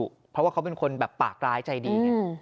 เพราะว่าเขาเป็นคนแบบปากร้ายใจดีไง